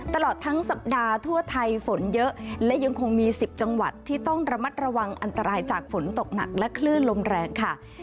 ตลอดทั้งสัปดาห์ทั่วไทยฝนเยอะและยังคงมี๑๐จังหวัดที่ต้องระมัดระวังอันตรายจากฝนตกหนักและคลื่นลมแรงค่ะ